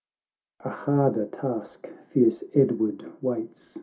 XXXI A harder task fierce Edward waits.